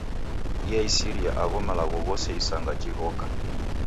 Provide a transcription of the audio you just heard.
Diaisiria agho malagho ghose isanga jighoka